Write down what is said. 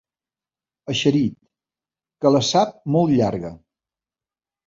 Eixerit, que la sap molt llarga.